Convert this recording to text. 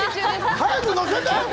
早く載せて！